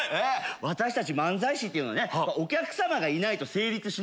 私たち漫才師っていうのはお客様がいないと成立しないですから。